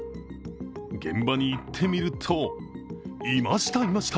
現場に行ってみると、いました、いました！